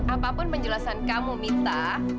apapun penjelasan kamu mita